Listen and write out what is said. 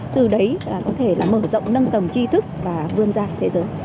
từ đấy là có thể mở rộng nâng tầm chi thức và vươn ra thế giới